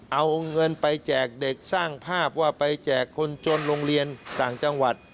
เอาเงินไปแจกเด็กสร้างภาพว่าไปแจกคนจนโรงเรียนต่างจังหวัด